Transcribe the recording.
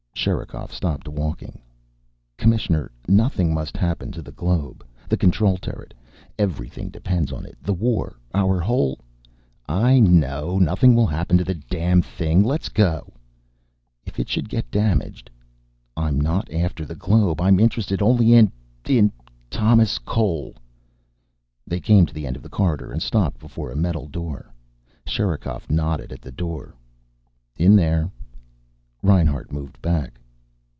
Sherikov stopped walking. "Commissioner, nothing must happen to the globe. The control turret. Everything depends on it, the war, our whole " "I know. Nothing will happen to the damn thing. Let's go." "If it should get damaged " "I'm not after the globe. I'm interested only in in Thomas Cole." They came to the end of the corridor and stopped before a metal door. Sherikov nodded at the door. "In there." Reinhart moved back.